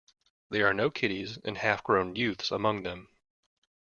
There are no kiddies and half grown youths among them.